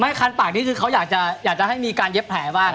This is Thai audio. คันปากนี้คือเขาอยากจะให้มีการเย็บแผลบ้าง